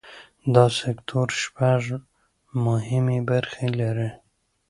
دا سکتور شپږ مهمې برخې لري.